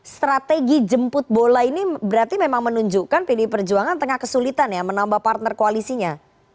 strategi jemput bola ini berarti memang menunjukkan pdi perjuangan tengah kesulitan ya menambah partner koalisinya